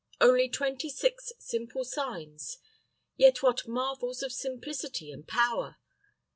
Only twenty six simple signs, yet what marvels of simplicity and power!